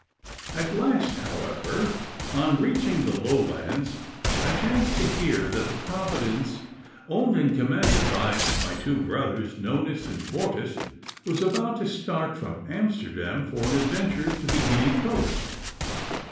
At last, however, on reaching the Lowlands, I chanced to hear that the Providence, owned and commanded by my two brothers, Nonus and Quartus, was about to start from Amsterdam for an adventure to the Guinea coast.